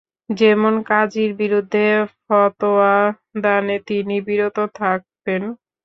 যেমন কাযীর বিরুদ্ধে ফতোয়া দানে তিনি বিরত থাকতেন।